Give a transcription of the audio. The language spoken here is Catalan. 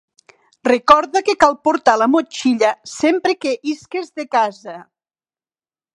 Recorda que cal portar la motxilla sempre que isques de casa.